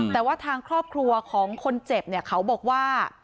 แต่ว่าทางครอบครัวของคนเจ็บเนี่ยเขาบอกว่า